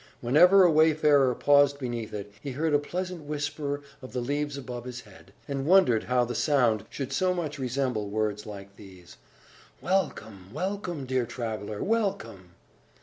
Whenever a wayfarer paused beneath it, he heard a pleasant whisper of the leaves above his head, and wondered how the sound should so much resemble words like these: "Welcome, welcome, dear traveller, welcome!"